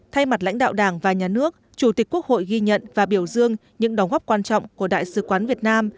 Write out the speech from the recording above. thay mặt lãnh đạo đảng và nhà nước chủ tịch quốc hội ghi nhận và biểu dương những đóng góp quan trọng của đại sứ quán việt nam